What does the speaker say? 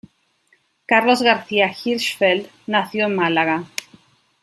Carlos García-Hirschfeld, nació en Málaga.